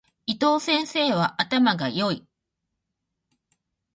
伊藤先生は頭が良い。